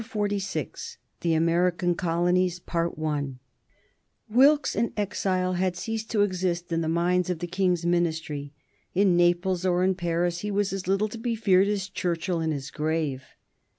[Sidenote: 1765 Grenville as Bute's successor] Wilkes in exile had ceased to exist in the minds of the King's Ministry. In Naples or in Paris he was as little to be feared as Churchill in his grave.